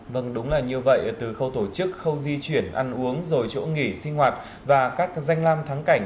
vâng đúng là như vậy từ khâu tổ chức khâu di chuyển ăn uống rồi chỗ nghỉ sinh hoạt và các danh lam thắng cảnh